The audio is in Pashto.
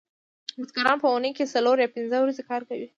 بزګران په اونۍ کې څلور یا پنځه ورځې کار کوي